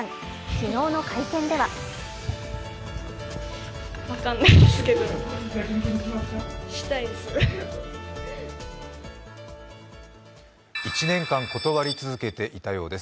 昨日の会見では１年間断り続けていたようです。